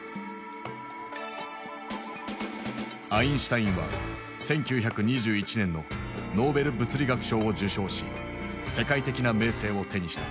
アインシュタインは１９２１年のノーベル物理学賞を受賞し世界的な名声を手にした。